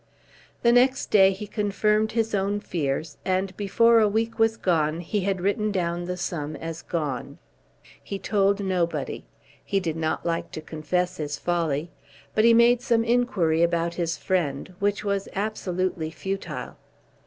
The next day he confirmed his own fears, and before a week was gone he had written down the sum as gone. He told nobody. He did not like to confess his folly. But he made some inquiry about his friend, which was absolutely futile.